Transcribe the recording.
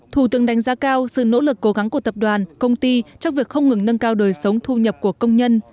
thủ tướng đánh giá cao sự nỗ lực cố gắng của tập đoàn công ty trong việc không ngừng nâng cao đời sống thu nhập của công nhân